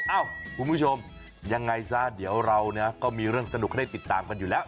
เอ้าคุณผู้ชมยังไงซะเดี๋ยวเรานะก็มีเรื่องสนุกให้ได้ติดตามกันอยู่แล้ว